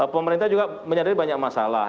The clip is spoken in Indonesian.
pemerintah juga menyadari banyak masalah